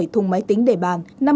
năm mươi bảy thùng máy tính để bàn